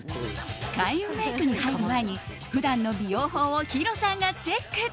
開運メイクに入る前に普段の美容法をヒロさんがチェック。